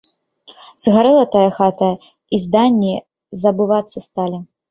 Згарэла тая хата, і зданні забывацца сталі.